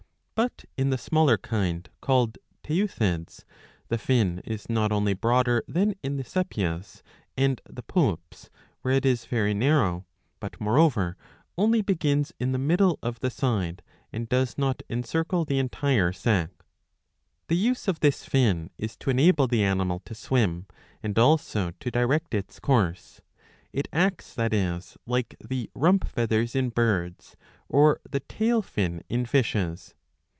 But in the smaller kind, called Teuthides, the fin is not only broader than in the Sepias 685b. iv. 9 — iv. lo. 115 and the Poulps, where it is very narrow, but moreover only begins in the middle of the side, and does hot encircle the entire sac. The use of this fin is to enable the animal to swim, and also to direct its course. It acts, that is, like the rump feathers in birds, or the tail fin in fishes.